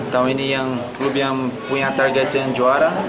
tahun ini yang klub yang punya target yang juara